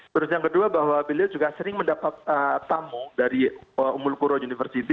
terus yang kedua bahwa beliau juga sering mendapat tamu dari umulkuro university